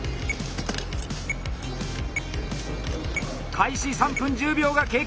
開始３分１０秒が経過！